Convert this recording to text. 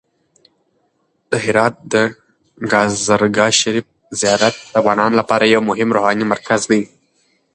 د هرات د کازرګاه شریف زیارت د افغانانو لپاره یو مهم روحاني مرکز دی.